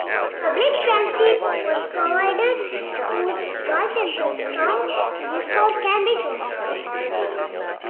Public transit was provided to Galt and Preston before Cambridge was formed.